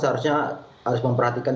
seharusnya harus memperhatikan